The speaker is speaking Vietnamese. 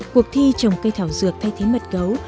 cuộc thi trồng cây thảo dược thay thế mật gấu